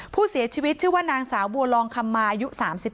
ผู้เสียชีวิตชื่อว่านางสาวบัวลองคำมาอายุ๓๓